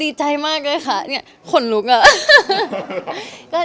ดีใจมากเลยค่ะเหมือนขนหลุกอะ